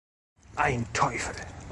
Ein Teufel!